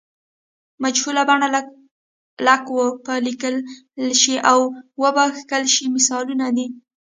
مجهوله بڼه لکه و به لیکل شي او و به کښل شي مثالونه دي.